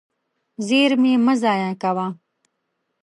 زېرمې مه ضایع کوه.